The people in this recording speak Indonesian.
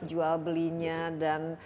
jual belinya dan